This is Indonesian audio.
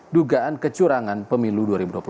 dugaan kecurangan pemilu dua ribu dua puluh